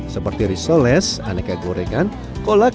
seperti risoles aneka gorengan kolak